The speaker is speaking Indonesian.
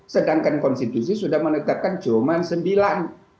sedangkan konstitusi sudah menetapkan cuma sembilan